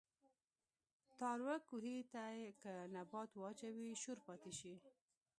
تاروۀ کوهي ته کۀ نبات واچوې شور پاتې شي